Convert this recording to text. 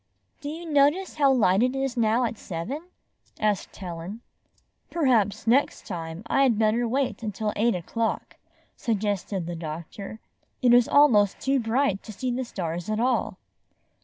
"Do you notice how light it is now at seven?" asked Helen. "Perhaps next time I had better wait imtil eight o'clock," suggested the doctor. "It is almost too bright to see the stai's at all.